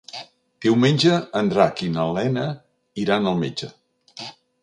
Diumenge en Drac i na Lena iran al metge.